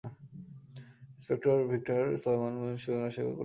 Inspector Victor Solomon, আমি Gunasekar Koliappan, NIA.